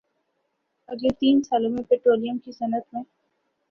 اگلے تین سالوں میں پٹرولیم کی صنعت میں